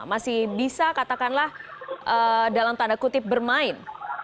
masih bisa katakanlah dalam tanda kutip bermain